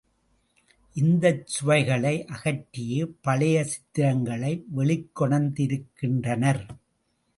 இந்தச் சுதைகளை அகற்றியே பழைய சித்திரங்களை வெளிக்கொணர்ந்திருக்கின்றனர்.